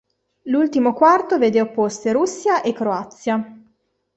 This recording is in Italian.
L'ultimo quarto vede opposte Russia e Croazia.